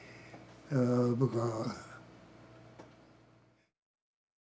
僕は。